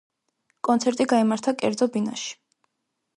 კონცერტი გაიმართა კერძო ბინაში.